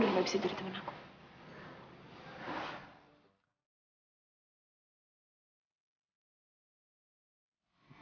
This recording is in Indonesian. dan gak bisa jadi temen aku